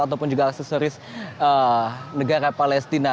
ataupun juga aksesoris negara palestina